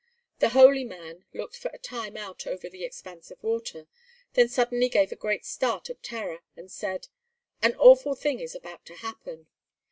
The "holy man" looked for a time out over the expanse of water, then suddenly gave a great start of terror, and said, "An awful thing is about to happen."